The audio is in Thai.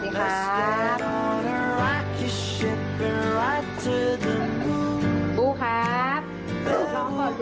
บู้ครับร้องก่อนดูพี่ก็กำลังทำขนมหนูอยู่อันนี้ของพี่